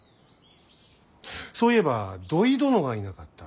そういえば土肥殿がいなかった。